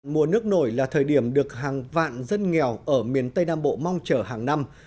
mùa nước nổi là thời điểm được hàng vạn dân nghèo ở miền tây nam bộ mong chờ hàng năm